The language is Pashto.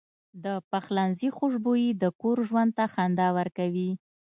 د پخلنځي خوشبويي د کور ژوند ته خندا ورکوي.